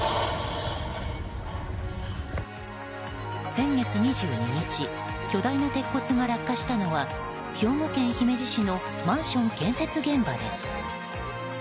先月２２日巨大な鉄骨が落下したのは兵庫県姫路市のマンション建設現場です。